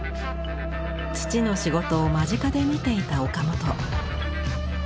父の仕事を間近で見ていた岡本。